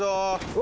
お！